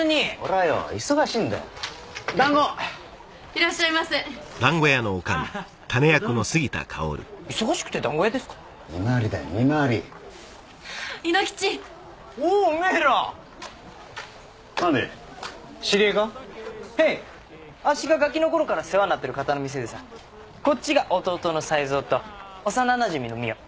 へいあっしがガキの頃から世話になってる方の店でさぁこっちが弟の才三と幼なじみの美代